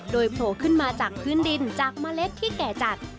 โดยโผล่ขึ้นมาจากพื้นดินจากเมล็ดที่แก่จัด